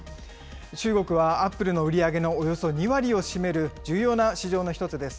中国はアップルの売り上げのおよそ２割を占める重要な市場の１つです。